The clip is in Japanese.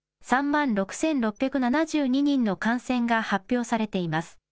３万６６７２人の感染が発表されています。